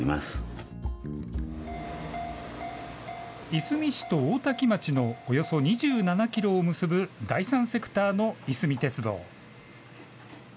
いすみ市と大多喜町のおよそ２７キロを結ぶ第三セクターのいすみ鉄道。